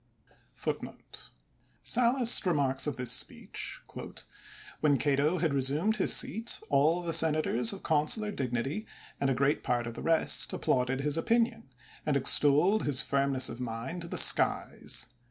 '> SalluBt remarks of this speech :'* When Cato had resumed his seat, all the senators of consular dignity, and a great part of the reet, applauded his opinion, and extolled his firmness of mind to the Hkjus.